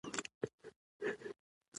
خو داسې ښکارېده چې